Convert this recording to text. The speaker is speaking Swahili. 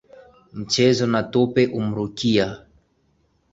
Mcheza na tope humrukia